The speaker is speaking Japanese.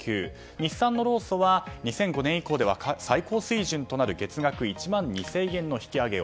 日産の労組は２００５年以降では最高水準となる月額１万２０００円の引き上げを。